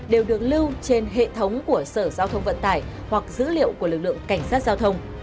đều được lưu trên hệ thống của sở giao thông vận tải hoặc dữ liệu của lực lượng cảnh sát giao thông